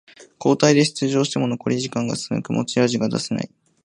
交代で出場しても残り時間が少なく持ち味が出せない